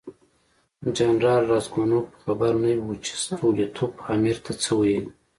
جنرال راسګونوف خبر نه و چې ستولیتوف امیر ته څه ویلي.